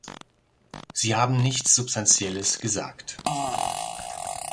Sie haben nichts Substanzielles gesagt.